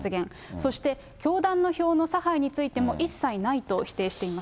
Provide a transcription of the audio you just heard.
そして、教団の票の差配について一切ないと否定しています。